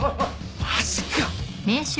マジか！